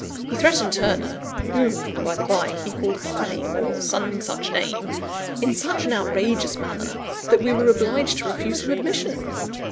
He threatened Turner (whom, by the bye, he called Manning, or some such name) in such an outrageous manner, that we were obliged to refuse him admission.